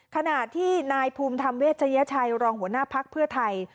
ขณะที่นายภูมิธรรมเวชยชัยรองหัวหน้าภักดิ์เพื่อไทย